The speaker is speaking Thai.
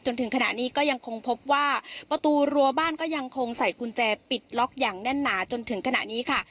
จนถึงขณะนี้ก็ยังคงพบว่าประตูรัวบ้านก็ยังคงใส่กุญแจปิดล็อกอย่างแน่นหนาจนถึงขณะนี้ค่ะ